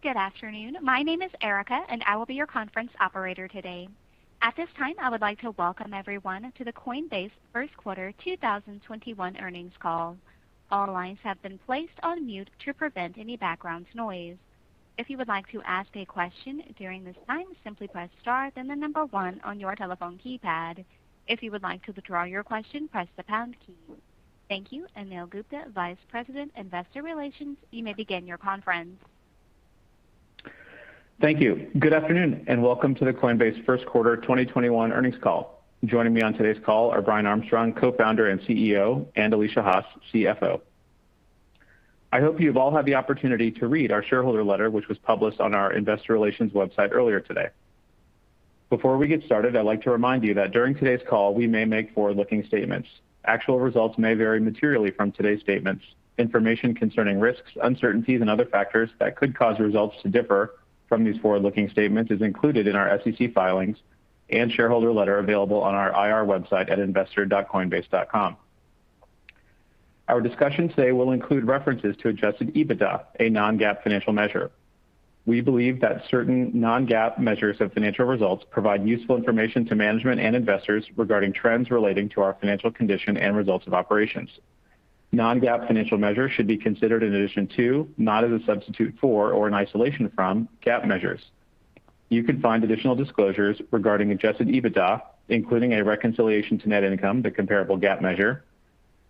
Good afternoon. My name is Erica, and I will be your conference operator today. At this time, I would like to welcome everyone to the Coinbase first quarter 2021 earnings call. All lines have been placed on mute to prevent any background noise. If you would like to ask a question during this time, simply press star one on your telephone keypad. If you would like to withdraw your question, press the pound key. Thank you. Anil Gupta, Vice President, Investor Relations, you may begin your conference. Thank you. Good afternoon, and welcome to the Coinbase first quarter 2021 earnings call. Joining me on today's call are Brian Armstrong, Co-founder and CEO, and Alesia Haas, CFO. I hope you've all had the opportunity to read our shareholder letter, which was published on our investor relations website earlier today. Before we get started, I'd like to remind you that during today's call we may make forward-looking statements. Actual results may vary materially from today's statements. Information concerning risks, uncertainties, and other factors that could cause results to differ from these forward-looking statements is included in our SEC filings and shareholder letter available on our IR website at investor.coinbase.com. Our discussion today will include references to Adjusted EBITDA, a non-GAAP financial measure. We believe that certain non-GAAP measures of financial results provide useful information to management and investors regarding trends relating to our financial condition and results of operations. Non-GAAP financial measures should be considered in addition to, not as a substitute for or an isolation from, GAAP measures. You can find additional disclosures regarding Adjusted EBITDA, including a reconciliation to net income, the comparable GAAP measure,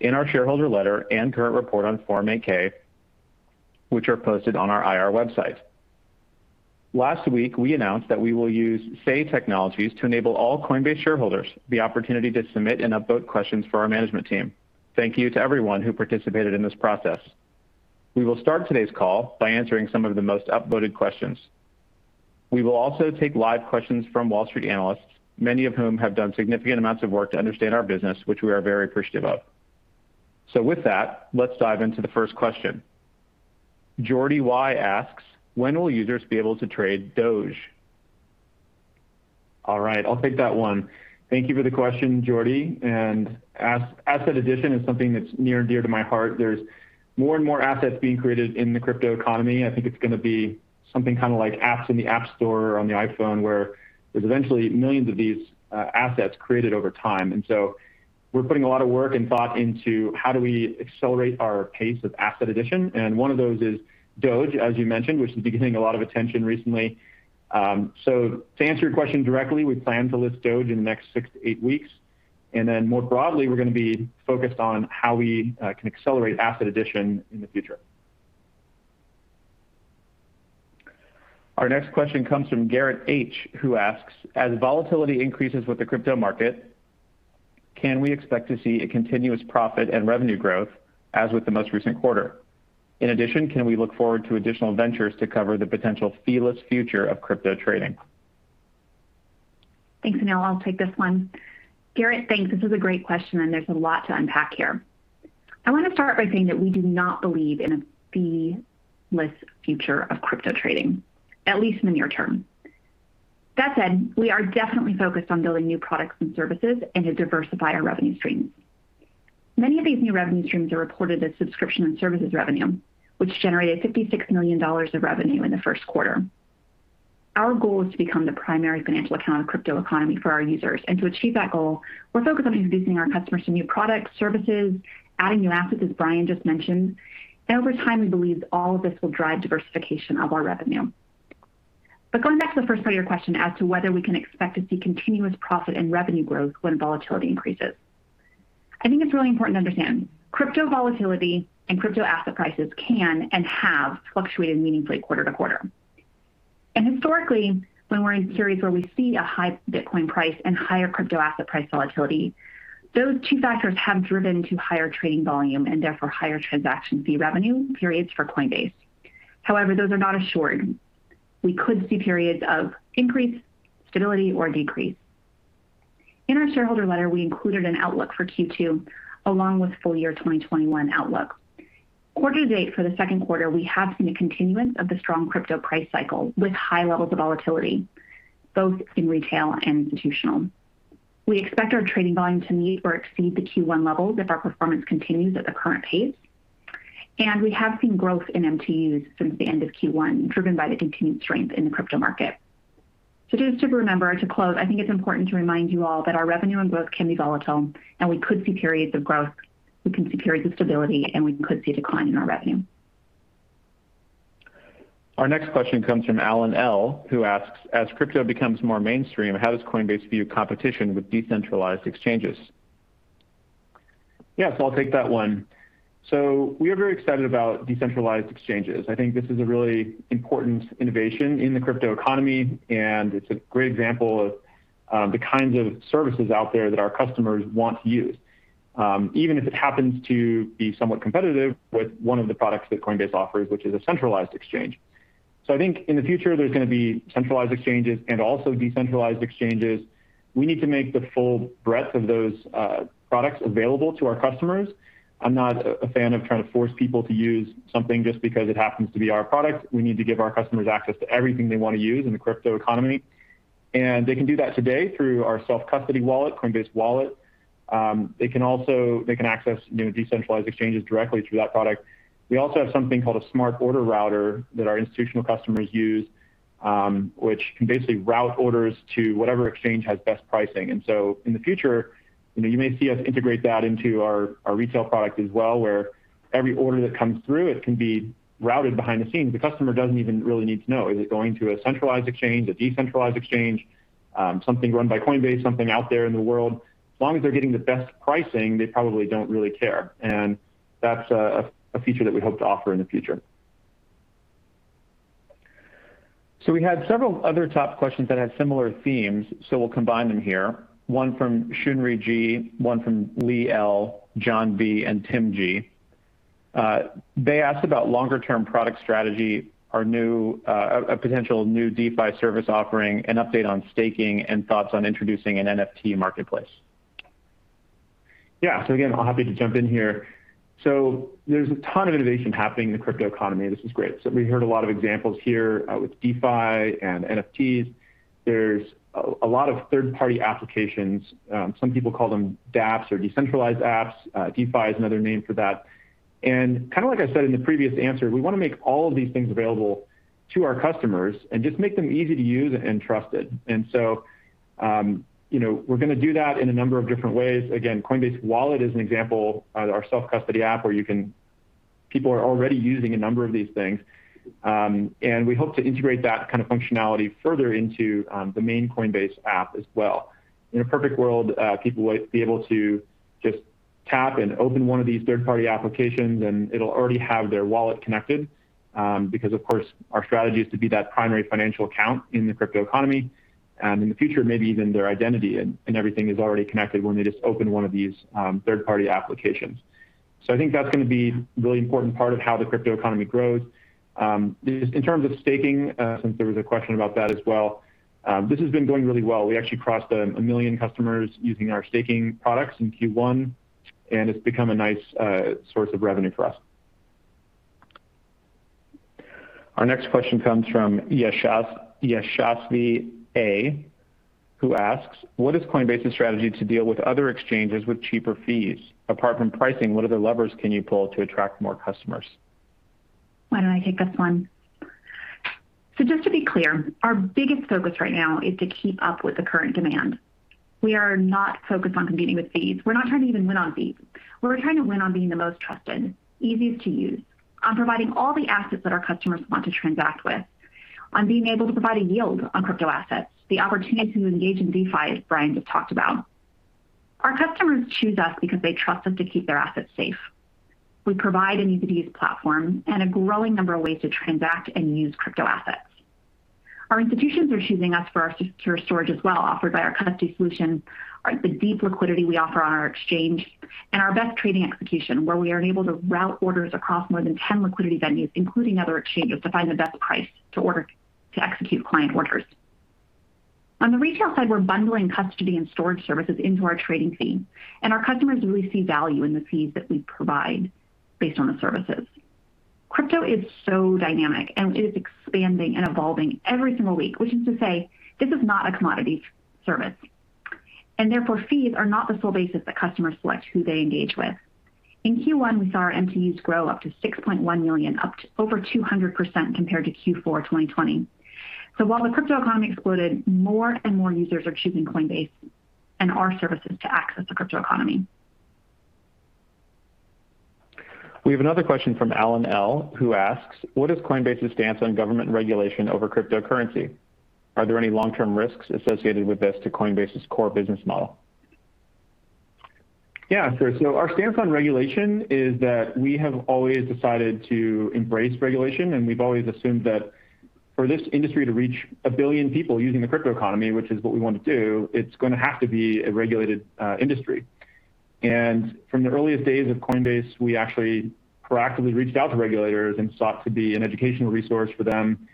in our shareholder letter and current report on Form 8-K, which are posted on our IR website. Last week, we announced that we will use Say Technologies to enable all Coinbase shareholders the opportunity to submit and upvote questions for our management team. Thank you to everyone who participated in this process. We will start today's call by answering some of the most upvoted questions. We will also take live questions from Wall Street analysts, many of whom have done significant amounts of work to understand our business, which we are very appreciative of. With that, let's dive into the first question. Jordy Y asks, "When will users be able to trade Dogecoin? All right, I'll take that one. Thank you for the question, Jordy. Asset addition is something that's near and dear to my heart. There's more and more assets being created in the crypto economy. I think it's gonna be something kinda like apps in the App Store on the iPhone, where there's eventually millions of these assets created over time. We're putting a lot of work and thought into how do we accelerate our pace of asset addition, and one of those is Dogecoin, as you mentioned, which has been getting a lot of attention recently. To answer your question directly, we plan to list Dogecoin in the next 6-8 weeks. More broadly, we're gonna be focused on how we can accelerate asset addition in the future. Our next question comes from Garrett H, who asks, "As volatility increases with the crypto market, can we expect to see a continuous profit and revenue growth as with the most recent quarter? In addition, can we look forward to additional ventures to cover the potential fee-less future of crypto trading? Thanks, Anil. I'll take this one. Garrett, thanks. This is a great question, and there's a lot to unpack here. I wanna start by saying that we do not believe in a fee-less future of crypto trading, at least in the near term. That said, we are definitely focused on building new products and services and to diversify our revenue streams. Many of these new revenue streams are reported as subscription and services revenue, which generated $56 million of revenue in the first quarter. Our goal is to become the primary financial account of crypto economy for our users. To achieve that goal, we're focused on introducing our customers to new products, services, adding new assets, as Brian just mentioned. Over time, we believe all of this will drive diversification of our revenue. Going back to the first part of your question as to whether we can expect to see continuous profit and revenue growth when volatility increases, I think it's really important to understand crypto volatility and crypto asset prices can and have fluctuated meaningfully quarter to quarter. Historically, when we're in periods where we see a high Bitcoin price and higher crypto asset price volatility, those two factors have driven to higher trading volume, and therefore higher transaction fee revenue periods for Coinbase. However, those are not assured. We could see periods of increase, stability, or decrease. In our shareholder letter, we included an outlook for Q2 along with full year 2021 outlook. Quarter to date for the second quarter, we have seen a continuance of the strong crypto price cycle with high levels of volatility, both in retail and institutional. We expect our trading volume to meet or exceed the Q1 levels if our performance continues at the current pace. We have seen growth in MTUs since the end of Q1, driven by the continued strength in the crypto market. Just to remember, to close, I think it's important to remind you all that our revenue and growth can be volatile. We could see periods of growth, we can see periods of stability, and we could see a decline in our revenue. Our next question comes from Alan L, who asks, "As crypto becomes more mainstream, how does Coinbase view competition with decentralized exchanges? Yeah, I'll take that one. We are very excited about decentralized exchanges. I think this is a really important innovation in the crypto economy, and it's a great example of the kinds of services out there that our customers want to use, even if it happens to be somewhat competitive with one of the products that Coinbase offers, which is a centralized exchange. I think in the future, there's gonna be centralized exchanges and also decentralized exchanges. We need to make the full breadth of those products available to our customers. I'm not a fan of trying to force people to use something just because it happens to be our product. We need to give our customers access to everything they wanna use in the crypto economy. They can do that today through our self-custody wallet, Coinbase Wallet. They can also, they can access, you know, decentralized exchanges directly through that product. We also have something called a Smart Order Router that our institutional customers use, which can basically route orders to whatever exchange has best pricing. In the future, you know, you may see us integrate that into our retail product as well, where every order that comes through it can be routed behind the scenes. The customer doesn't even really need to know. Is it going to a centralized exchange, a decentralized exchange, something run by Coinbase, something out there in the world? As long as they're getting the best pricing, they probably don't really care, and that's a feature that we hope to offer in the future. We had several other top questions that had similar themes. We'll combine them here. One from Shunri G, one from Lee L, John V, and Tim G. They asked about longer term product strategy, our new, a potential new DeFi service offering, an update on staking, and thoughts on introducing an NFT marketplace. Yeah. Again, I'm happy to jump in here. There's a ton of innovation happening in the crypto economy. This is great. We heard a lot of examples here with DeFi and NFTs. There's a lot of third-party applications. Some people call them dApps or decentralized apps. DeFi is another name for that. Kind of like I said in the previous answer, we wanna make all of these things available to our customers and just make them easy to use and trusted. You know, we're gonna do that in a number of different ways. Again, Coinbase Wallet is an example, our self-custody app. People are already using a number of these things. We hope to integrate that kind of functionality further into the main Coinbase app as well. In a perfect world, people would be able to just tap and open one of these third-party applications, and it'll already have their wallet connected, because of course our strategy is to be that primary financial account in the crypto economy, and in the future, maybe even their identity and everything is already connected when they just open one of these third-party applications. I think that's gonna be really important part of how the crypto economy grows. In terms of staking, since there was a question about that as well, this has been going really well. We actually crossed 1 million customers using our staking products in Q1, and it's become a nice source of revenue for us. Our next question comes from Yashasvi A, who asks, "What is Coinbase's strategy to deal with other exchanges with cheaper fees? Apart from pricing, what other levers can you pull to attract more customers? Why don't I take this one? Just to be clear, our biggest focus right now is to keep up with the current demand. We are not focused on competing with fees. We're not trying to even win on fees. We're trying to win on being the most trusted, easiest to use, on providing all the assets that our customers want to transact with, on being able to provide a yield on crypto assets, the opportunity to engage in DeFi, as Brian just talked about. Our customers choose us because they trust us to keep their assets safe. We provide an easy-to-use platform and a growing number of ways to transact and use crypto assets. Our institutions are choosing us for our secure storage as well, offered by our custody solution, our, the deep liquidity we offer on our exchange, and our best trading execution, where we are able to route orders across more than 10 liquidity venues, including other exchanges, to find the best price to order, to execute client orders. Our customers really see value in the fees that we provide based on the services. Crypto is so dynamic. It is expanding and evolving every single week, which is to say this is not a commodity service. Therefore, fees are not the sole basis that customers select who they engage with. In Q1, we saw our MTUs grow up to 6.1 million, up to over 200% compared to Q4 2020. While the crypto economy exploded, more and more users are choosing Coinbase and our services to access the crypto economy. We have another question from Alan L., who asks, "What is Coinbase's stance on government regulation over cryptocurrency? Are there any long-term risks associated with this to Coinbase's core business model? Yeah, sure. Our stance on regulation is that we have always decided to embrace regulation, and we've always assumed that for this industry to reach 1 billion people using the crypto economy, which is what we want to do, it's gonna have to be a regulated industry. From the earliest days of Coinbase, we actually proactively reached out to regulators and sought to be an educational resource for them,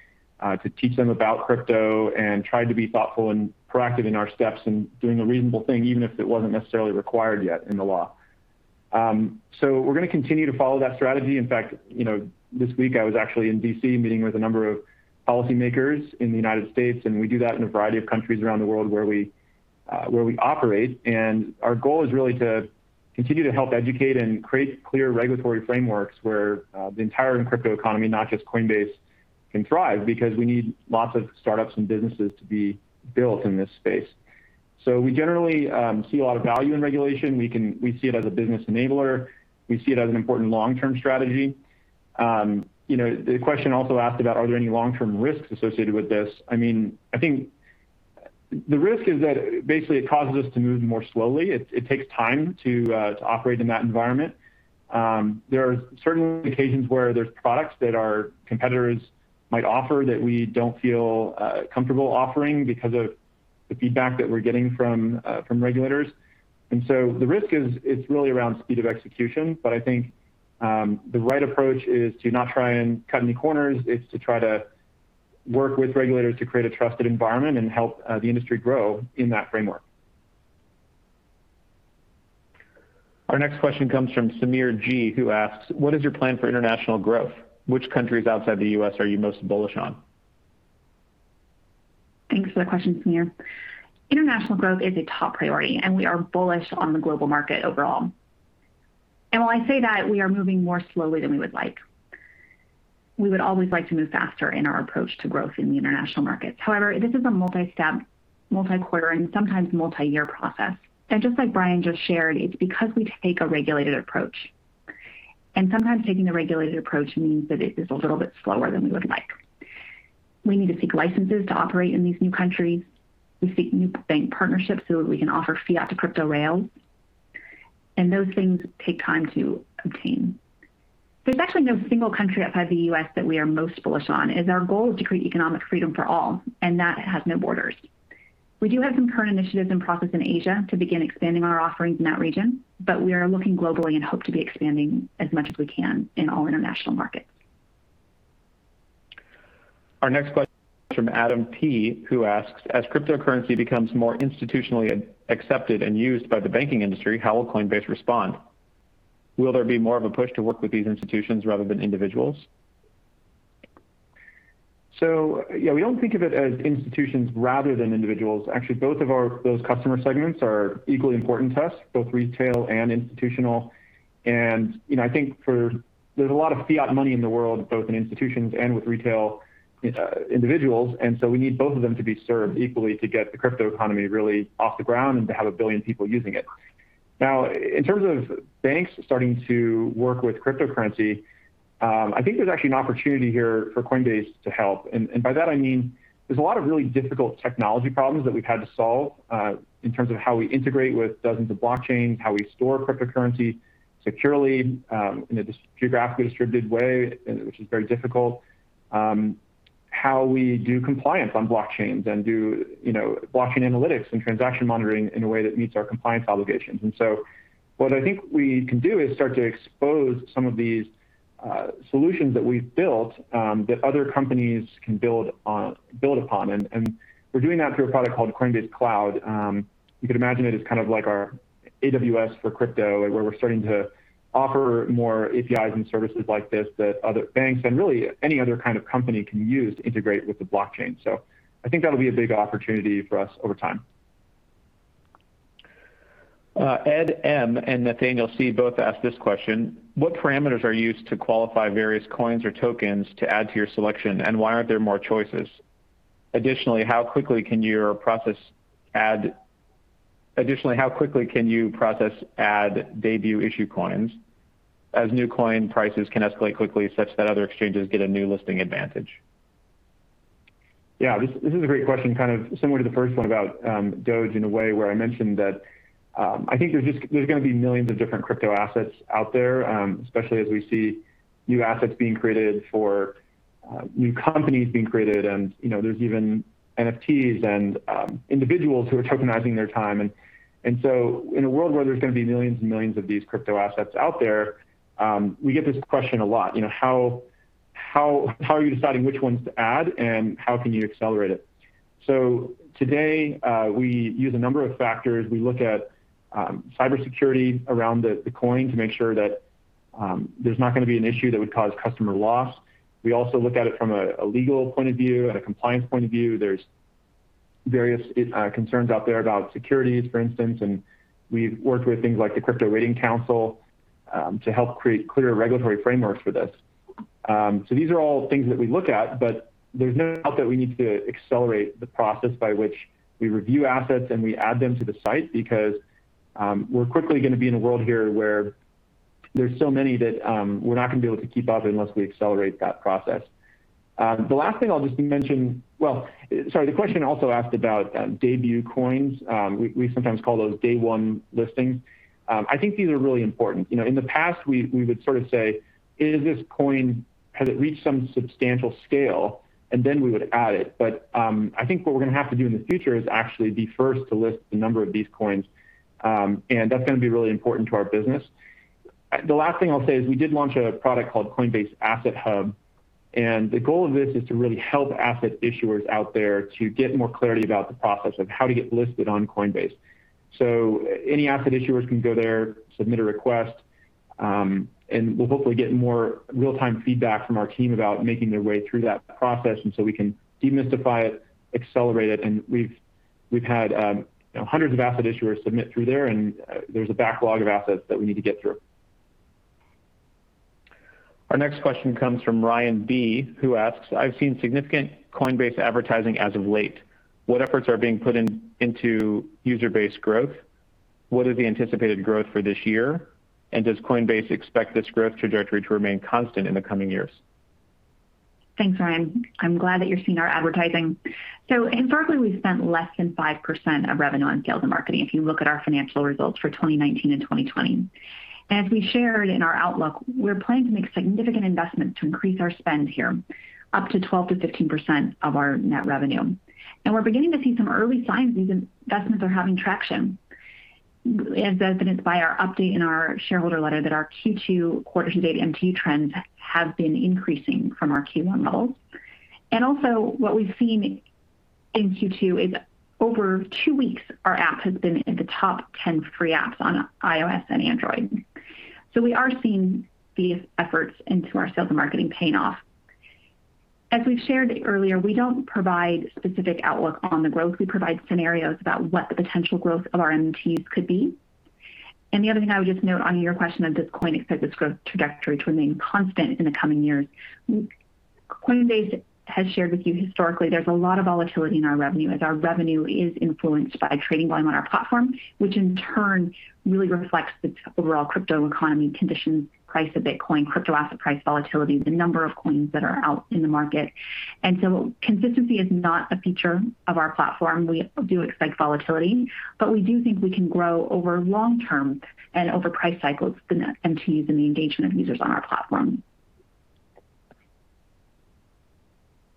to teach them about crypto and tried to be thoughtful and proactive in our steps in doing the reasonable thing, even if it wasn't necessarily required yet in the law. We're gonna continue to follow that strategy. In fact, you know, this week I was actually in D.C. meeting with a number of policymakers in the United States. We do that in a variety of countries around the world where we operate. Our goal is really to continue to help educate and create clear regulatory frameworks where the entire crypto economy, not just Coinbase, can thrive because we need lots of startups and businesses to be built in this space. We generally see a lot of value in regulation. We see it as a business enabler. We see it as an important long-term strategy. You know, the question also asked about are there any long-term risks associated with this. I mean, I think the risk is that basically it causes us to move more slowly. It takes time to operate in that environment. There are certain occasions where there's products that our competitors might offer that we don't feel comfortable offering because of the feedback that we're getting from regulators. The risk is really around speed of execution. I think the right approach is to not try and cut any corners. It's to try to work with regulators to create a trusted environment and help the industry grow in that framework. Our next question comes from Samir G., who asks, "What is your plan for international growth? Which countries outside the U.S. are you most bullish on? Thanks for the question, Samir. International growth is a top priority, and we are bullish on the global market overall. While I say that, we are moving more slowly than we would like. We would always like to move faster in our approach to growth in the international markets. However, this is a multi-step, multi-quarter, and sometimes multi-year process. Just like Brian just shared, it's because we take a regulated approach. Sometimes taking the regulated approach means that it is a little bit slower than we would like. We need to seek licenses to operate in these new countries. We seek new bank partnerships so that we can offer fiat-to-crypto rails. Those things take time to obtain. There's actually no single country outside the U.S. that we are most bullish on, as our goal is to create economic freedom for all, and that has no borders. We do have some current initiatives in process in Asia to begin expanding our offerings in that region, but we are looking globally and hope to be expanding as much as we can in all international markets. Our next question is from Adam P., who asks, "As cryptocurrency becomes more institutionally accepted and used by the banking industry, how will Coinbase respond? Will there be more of a push to work with these institutions rather than individuals? Yeah, we don't think of it as institutions rather than individuals. Actually, both of those customer segments are equally important to us, both retail and institutional. You know, I think there's a lot of fiat money in the world, both in institutions and with retail individuals, we need both of them to be served equally to get the crypto economy really off the ground and to have 1 billion people using it. Now, in terms of banks starting to work with cryptocurrency, I think there's actually an opportunity here for Coinbase to help. By that I mean there's a lot of really difficult technology problems that we've had to solve in terms of how we integrate with dozens of blockchains, how we store cryptocurrency securely in a geographically distributed way, which is very difficult. How we do compliance on blockchains and do, you know, blockchain analytics and transaction monitoring in a way that meets our compliance obligations. What I think we can do is start to expose some of these solutions that we've built that other companies can build on, build upon. We're doing that through a product called Coinbase Cloud. You could imagine it as kind of like our AWS for crypto, where we're starting to offer more APIs and services like this that other banks and really any other kind of company can use to integrate with the blockchain. I think that'll be a big opportunity for us over time. Ed M. and Nathaniel C. both asked this question, "What parameters are used to qualify various coins or tokens to add to your selection, and why aren't there more choices? Additionally, how quickly can you process add debut issue coins, as new coin prices can escalate quickly such that other exchanges get a new listing advantage? This is a great question, kind of similar to the first one about Dogecoin in a way, where I mentioned that I think there's gonna be millions of different crypto assets out there, especially as we see new assets being created for new companies being created and, you know, there's even NFTs and individuals who are tokenizing their time. In a world where there's gonna be millions and millions of these crypto assets out there, we get this question a lot. You know, how are you deciding which ones to add, and how can you accelerate it? Today, we use a number of factors. We look at cybersecurity around the coin to make sure that there's not gonna be an issue that would cause customer loss. We also look at it from a legal point of view and a compliance point of view. There's various concerns out there about securities, for instance, and we've worked with things like the Crypto Rating Council to help create clear regulatory frameworks for this. These are all things that we look at, but there's no doubt that we need to accelerate the process by which we review assets and we add them to the site because we're quickly gonna be in a world here where there's so many that we're not gonna be able to keep up unless we accelerate that process. The last thing I'll just mention. Well, sorry, the question also asked about debut coins. We sometimes call those day one listings. I think these are really important. You know, in the past we would sort of say, "Is this coin, has it reached some substantial scale?" We would add it. I think what we're gonna have to do in the future is actually be first to list the number of these coins, and that's gonna be really important to our business. The last thing I'll say is we did launch a product called Coinbase Asset Hub, and the goal of this is to really help asset issuers out there to get more clarity about the process of how to get listed on Coinbase. Any asset issuers can go there, submit a request, and will hopefully get more real-time feedback from our team about making their way through that process, and so we can demystify it, accelerate it. We've had, you know, hundreds of asset issuers submit through there and, there's a backlog of assets that we need to get through. Our next question comes from Ryan B., who asks, "I've seen significant Coinbase advertising as of late. What efforts are being put into user-based growth? What is the anticipated growth for this year? Does Coinbase expect this growth trajectory to remain constant in the coming years? Thanks, Ryan. I'm glad that you're seeing our advertising. Historically, we've spent less than 5% of revenue on sales and marketing, if you look at our financial results for 2019 and 2020. As we shared in our outlook, we're planning to make significant investments to increase our spend here, up to 12%-15% of our net revenue. We're beginning to see some early signs these investments are having traction, as evidenced by our update in our shareholder letter that our Q2 quarter-to-date MT trends have been increasing from our Q1 levels. Also, what we've seen in Q2 is over two weeks, our app has been in the top 10 free apps on iOS and Android. We are seeing these efforts into our sales and marketing paying off. As we've shared earlier, we don't provide specific outlook on the growth. We provide scenarios about what the potential growth of our MTs could be. The other thing I would just note on your question of does Coinbase expect this growth trajectory to remain constant in the coming years, Coinbase has shared with you historically there's a lot of volatility in our revenue, as our revenue is influenced by trading volume on our platform, which in turn really reflects the overall crypto economy conditions, price of Bitcoin, crypto asset price volatility, the number of coins that are out in the market. Consistency is not a feature of our platform. We do expect volatility, but we do think we can grow over long term and over price cycles the net MTs and the engagement of users on our platform.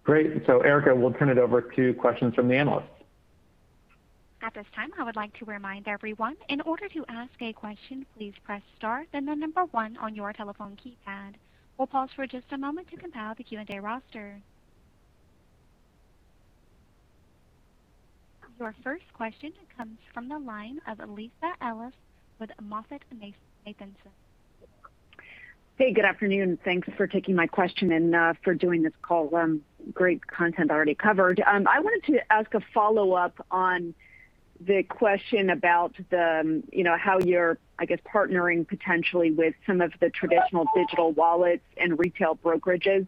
Great. Erica, we'll turn it over to questions from the analysts. We'll pause for just a moment to compile the Q&A roster. Your first question comes from the line of Lisa Ellis with MoffettNathanson. Hey, good afternoon. Thanks for taking my question and for doing this call. Great content already covered. I wanted to ask a follow-up on the question about the, you know, how you're, I guess, partnering potentially with some of the traditional digital wallets and retail brokerages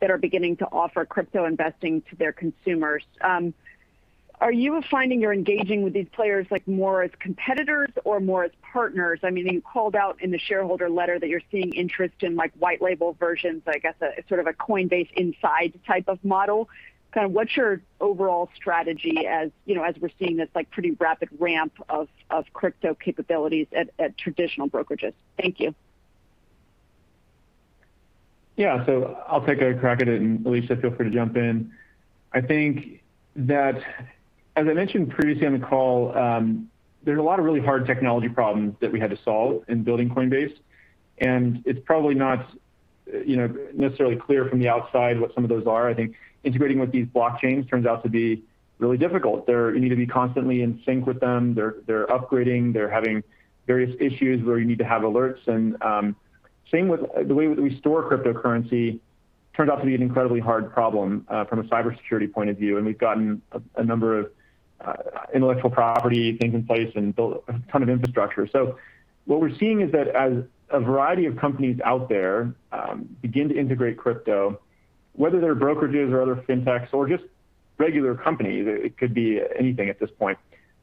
that are beginning to offer crypto investing to their consumers. Are you finding you're engaging with these players like more as competitors or more as partners? I mean, you called out in the shareholder letter that you're seeing interest in like white label versions, I guess, a sort of a Coinbase inside type of model. Kind of what's your overall strategy as, you know, as we're seeing this like pretty rapid ramp of crypto capabilities at traditional brokerages? Thank you. I'll take a crack at it. Alesia, feel free to jump in. I think that, as I mentioned previously on the call, there's a lot of really hard technology problems that we had to solve in building Coinbase, and it's probably not, you know, necessarily clear from the outside what some of those are. I think integrating with these blockchains turns out to be really difficult. You need to be constantly in sync with them. They're upgrading, they're having various issues where you need to have alerts. Same with the way we store cryptocurrency turned out to be an incredibly hard problem from a cybersecurity point of view. We've gotten a number of intellectual property things in place and built a ton of infrastructure. What we're seeing is that as a variety of companies out there begin to integrate crypto, whether they're brokerages or other fintechs or just regular companies, it could be anything at this point,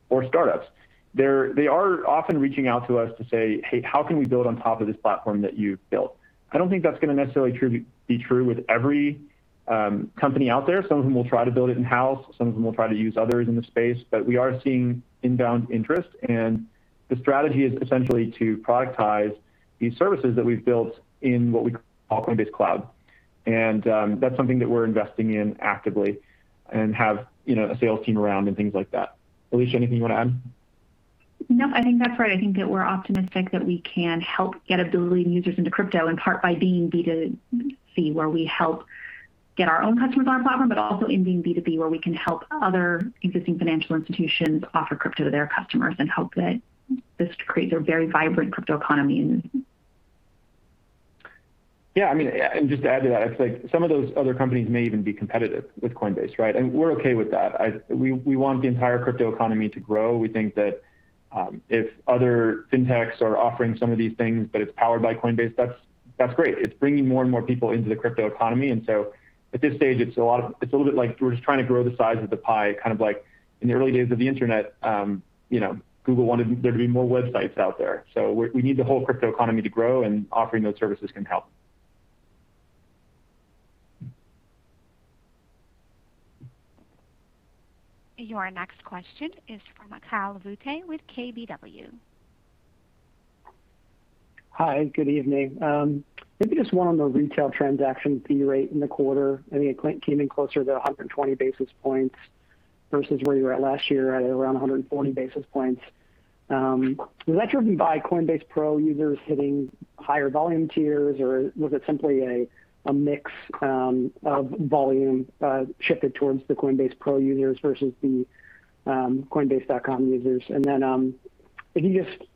or startups, they are often reaching out to us to say, "Hey, how can we build on top of this platform that you've built?" I don't think that's gonna necessarily be true with every company out there. Some of them will try to build it in-house, some of them will try to use others in the space. We are seeing inbound interest, and the strategy is essentially to productize these services that we've built in what we call Coinbase Cloud. That's something that we're investing in actively and have, you know, a sales team around and things like that. Alesia, anything you want to add? I think that's right. I think that we're optimistic that we can help get 1 billion users into crypto, in part by being B2C, where we help get our own customers on our platform, but also in being B2B, where we can help other existing financial institutions offer crypto to their customers and help this to create a very vibrant crypto economy. Yeah, I mean, just to add to that, it's like some of those other companies may even be competitive with Coinbase, right? We want the entire crypto economy to grow. We think that if other fintechs are offering some of these things but it's powered by Coinbase, that's great. It's bringing more and more people into the crypto economy. At this stage, it's a little bit like we're just trying to grow the size of the pie, kind of like in the early days of the Internet, you know, Google wanted there to be more websites out there. We need the whole crypto economy to grow, and offering those services can help. Your next question is from Kyle Voigt with KBW. Hi, good evening. Maybe just one on the retail transaction fee rate in the quarter. I think it came in closer to 120 basis points versus where you were at last year at around 140 basis points. Was that driven by Coinbase Pro users hitting higher volume tiers, or was it simply a mix of volume shifted towards the Coinbase Pro users versus the Coinbase users? If you just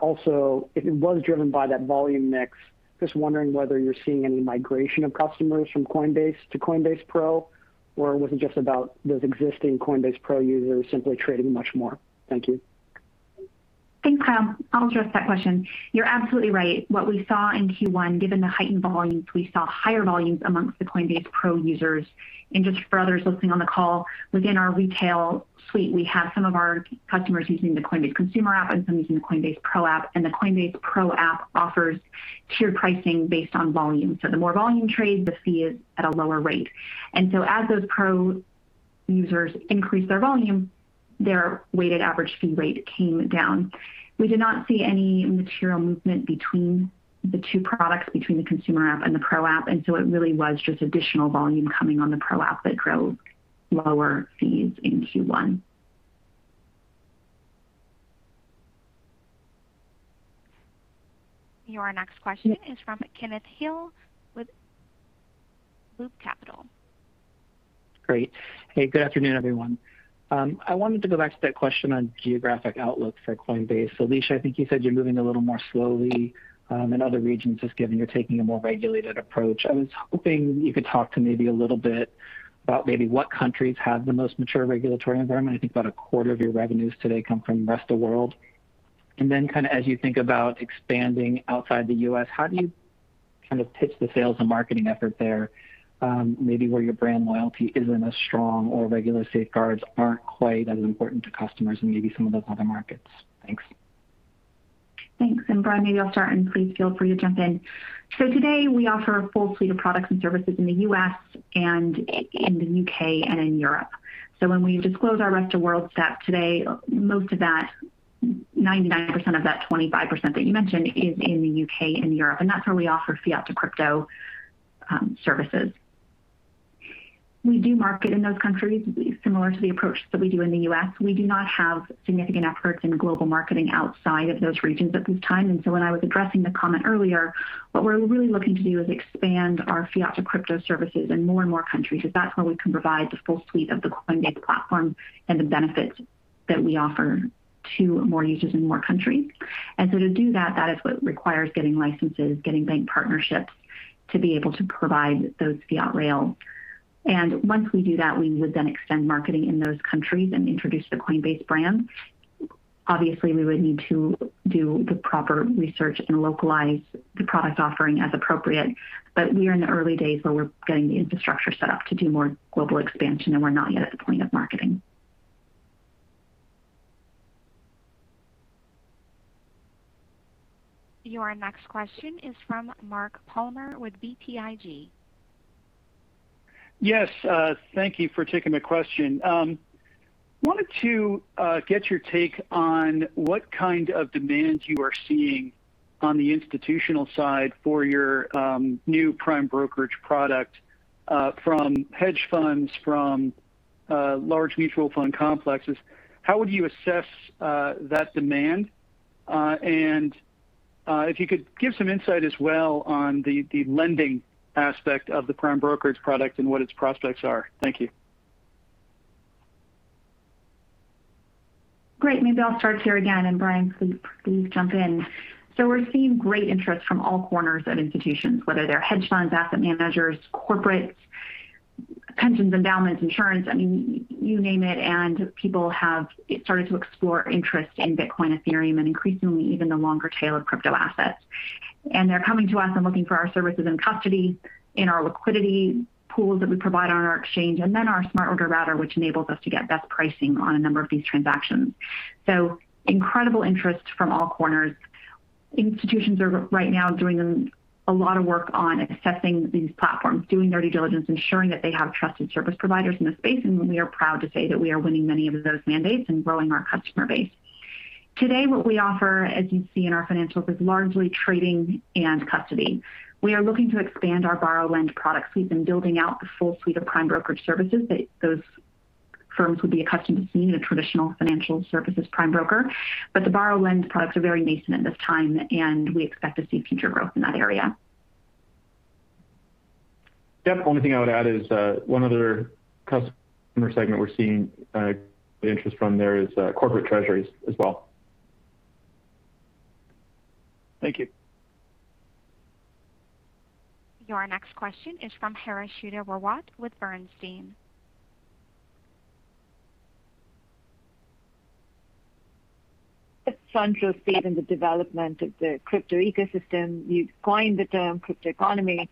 also, if it was driven by that volume mix, just wondering whether you're seeing any migration of customers from Coinbase to Coinbase Pro, or was it just about those existing Coinbase Pro users simply trading much more? Thank you. Thanks, Kyle. I'll address that question. You're absolutely right. What we saw in Q1, given the heightened volumes, we saw higher volumes amongst the Coinbase Pro users. Just for others listening on the call, within our retail suite, we have some of our customers using the Coinbase consumer app and some using the Coinbase Pro app, and the Coinbase Pro app offers tiered pricing based on volume. The more volume trades, the fee is at a lower rate. As those Pro users increase their volume, their weighted average fee rate came down. We did not see any material movement between the two products, between the consumer app and the Pro app. It really was just additional volume coming on the Pro app that drove lower fees in Q1. Your next question is from Kenneth Hill with Loop Capital. Great. Hey, good afternoon, everyone. I wanted to go back to that question on geographic outlook for Coinbase. Alesia, I think you said you're moving a little more slowly in other regions, just given you're taking a more regulated approach. I was hoping you could talk to maybe a little bit about maybe what countries have the most mature regulatory environment. I think about 1/4 of your revenues today come from rest of world. Kinda as you think about expanding outside the U.S., how do you kind of pitch the sales and marketing effort there, maybe where your brand loyalty isn't as strong or regular safeguards aren't quite as important to customers in maybe some of those other markets? Thanks. Thanks. Brian, maybe I'll start, and please feel free to jump in. Today, we offer a full suite of products and services in the U.S. and in the U.K. and in Europe. When we disclose our Rest of World stat today, most of that, 99% of that 25% that you mentioned is in the U.K. and Europe, and that's where we offer fiat-to-crypto services. We do market in those countries similar to the approach that we do in the U.S. We do not have significant efforts in global marketing outside of those regions at this time. When I was addressing the comment earlier, what we're really looking to do is expand our fiat-to-crypto services in more and more countries, 'cause that's where we can provide the full suite of the Coinbase platform and the benefits that we offer to more users in more countries. To do that is what requires getting licenses, getting bank partnerships to be able to provide those fiat rail. Once we do that, we would then extend marketing in those countries and introduce the Coinbase brand. Obviously, we would need to do the proper research and localize the product offering as appropriate. We are in the early days where we're getting the infrastructure set up to do more global expansion, and we're not yet at the point of marketing. Your next question is from Mark Palmer with BTIG. Yes, thank you for taking the question. Wanted to get your take on what kind of demand you are seeing on the institutional side for your new Coinbase Prime product from hedge funds, from large mutual fund complexes. How would you assess that demand? And if you could give some insight as well on the lending aspect of the Coinbase Prime product and what its prospects are. Thank you. Great. Maybe I'll start here again, Brian, please jump in. We're seeing great interest from all corners of institutions, whether they're hedge funds, asset managers, corporates, pensions, endowments, insurance. I mean, you name it, and people have started to explore interest in Bitcoin, Ethereum, and increasingly even the longer tail of crypto assets. They're coming to us and looking for our services in custody, in our liquidity pools that we provide on our exchange, then our Smart Order Router, which enables us to get best pricing on a number of these transactions. Incredible interest from all corners. Institutions are right now doing a lot of work on assessing these platforms, doing their due diligence, ensuring that they have trusted service providers in the space, and we are proud to say that we are winning many of those mandates and growing our customer base. Today, what we offer, as you see in our financials, is largely trading and custody. We are looking to expand our borrow lend product suite and building out the full suite of Coinbase Prime services that those firms would be accustomed to seeing in a traditional financial services prime broker. The borrow lend products are very nascent at this time, and we expect to see future growth in that area. Yep. Only thing I would add is, one other customer segment we're seeing, the interest from there is, corporate treasuries as well. Thank you. Your next question is from Harshita Rawat with Bernstein. A central state in the development of the crypto ecosystem, you've coined the term crypto economy.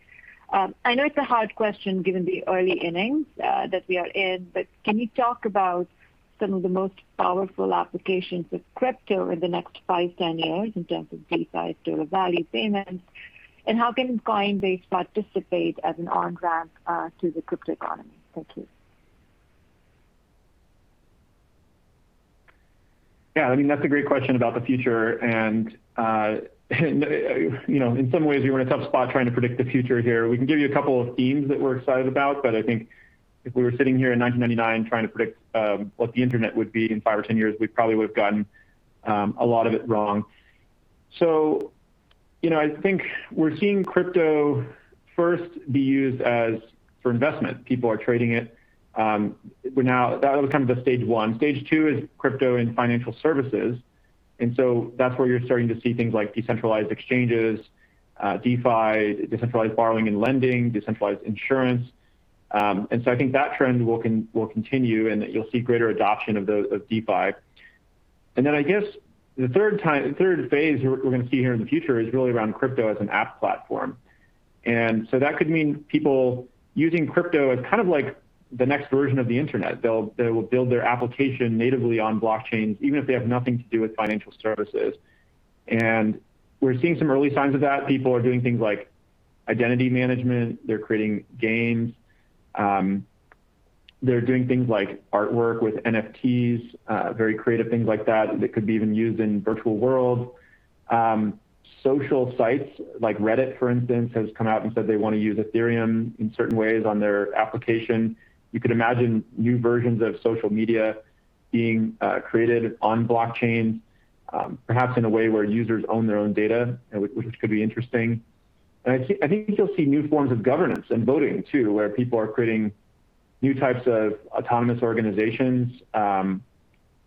I know it's a hard question given the early innings that we are in, but can you talk about some of the most powerful applications of crypto in the next five, 10 years in terms of DeFi, store of value, payments, and how can Coinbase participate as an on-ramp to the crypto economy? Thank you. Yeah, I mean, that's a great question about the future. You know, in some ways we're in a tough spot trying to predict the future here. We can give you a couple of themes that we're excited about, but I think if we were sitting here in 1999 trying to predict what the internet would be in five or 10 years, we probably would've gotten a lot of it wrong. You know, I think we're seeing crypto first be used as for investment. People are trading it. But now that was kind of the stage one. Stage two is crypto and financial services, that's where you're starting to see things like decentralized exchanges, DeFi, decentralized borrowing and lending, decentralized insurance. I think that trend will continue, and you'll see greater adoption of DeFi. I guess the third phase we're gonna see here in the future is really around crypto as an app platform. That could mean people using crypto as kind of like the next version of the internet. They will build their application natively on blockchains, even if they have nothing to do with financial services. We're seeing some early signs of that. People are doing things like identity management. They're creating games. They're doing things like artwork with NFTs, very creative things like that could be even used in virtual worlds. Social sites like Reddit, for instance, has come out and said they wanna use Ethereum in certain ways on their application. You could imagine new versions of social media being created on blockchain, perhaps in a way where users own their own data, which could be interesting. I think you'll see new forms of governance and voting too, where people are creating new types of autonomous organizations,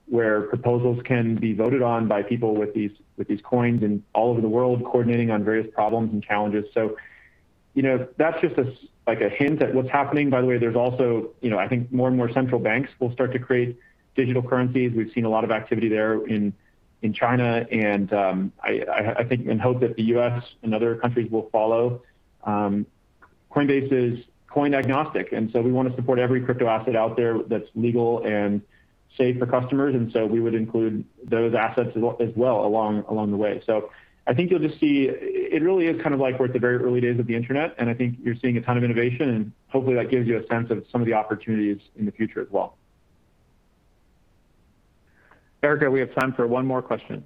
where proposals can be voted on by people with these coins and all over the world coordinating on various problems and challenges. You know, that's just like a hint at what's happening. By the way, there's also, you know, I think more and more central banks will start to create digital currencies. We've seen a lot of activity there in China and I think and hope that the U.S. and other countries will follow. Coinbase is coin agnostic, we wanna support every crypto asset out there that's legal and safe for customers, we would include those assets as well along the way. I think you'll just see, it really is kind of like we're at the very early days of the internet, I think you're seeing a ton of innovation and hopefully that gives you a sense of some of the opportunities in the future as well. Erica, we have time for one more question.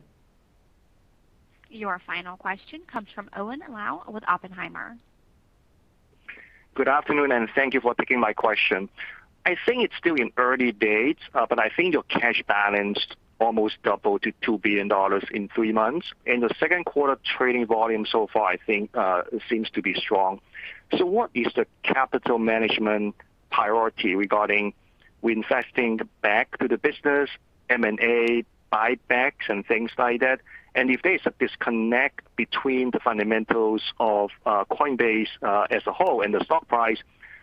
Your final question comes from Owen Lau with Oppenheimer. Good afternoon, and thank you for taking my question. I think it's still in early dates, but I think your cash balance almost doubled to $2 billion in three months. In the 2nd quarter trading volume so far, I think, seems to be strong. What is the capital management priority regarding reinvesting back to the business, M&A, buybacks, and things like that? If there's a disconnect between the fundamentals of Coinbase as a whole and the stock price,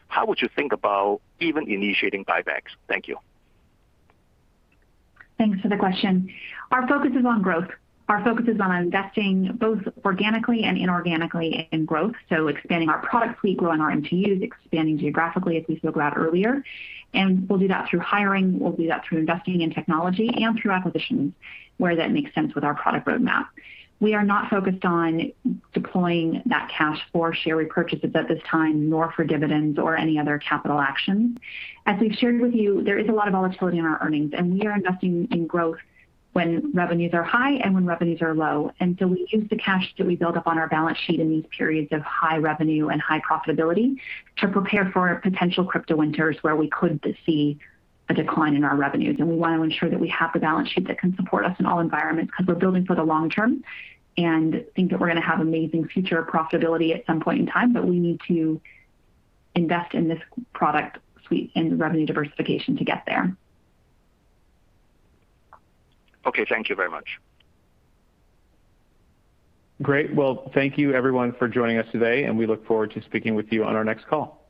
how would you think about even initiating buybacks? Thank you. Thanks for the question. Our focus is on growth. Our focus is on investing both organically and inorganically in growth, so expanding our product suite, growing our MTUs, expanding geographically as we spoke about earlier. We'll do that through hiring, we'll do that through investing in technology and through acquisitions where that makes sense with our product roadmap. We are not focused on deploying that cash for share repurchases at this time, nor for dividends or any other capital actions. As we've shared with you, there is a lot of volatility in our earnings, and we are investing in growth when revenues are high and when revenues are low. We use the cash that we build up on our balance sheet in these periods of high revenue and high profitability to prepare for potential crypto winters where we could see a decline in our revenues. We want to ensure that we have the balance sheet that can support us in all environments 'cause we're building for the long term and think that we're gonna have amazing future profitability at some point in time. We need to invest in this product suite and revenue diversification to get there. Okay. Thank you very much. Great. Well, thank you everyone for joining us today. We look forward to speaking with you on our next call.